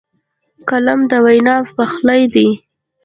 قلم د وینا پخلی دی